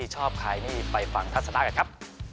ถี่ชอบค่ายนี้ไปฟังทัศนากันครับ